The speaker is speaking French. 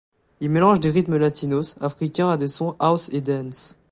Il mélange des rythmes latinos, africains à des sons house et dance.